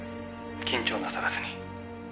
「緊張なさらずに。